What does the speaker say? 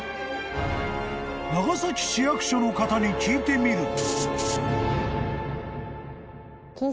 ［長崎市役所の方に聞いてみると］